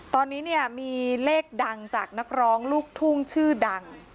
ตอนนี้เนี่ยมีเลขดังจากนักร้องลูกทุ่งชื่อดัง